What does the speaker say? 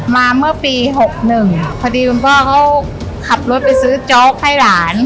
เมื่อปี๖๑พอดีคุณพ่อเขาขับรถไปซื้อโจ๊กให้หลาน